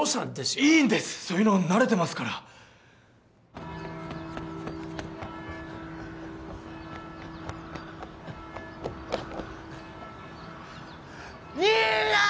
いいんですそういうの慣れてますから兄やん！